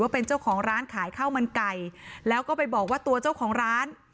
เป็นเจ้าของร้านขายข้าวมันไก่แล้วก็ไปบอกว่าตัวเจ้าของร้าน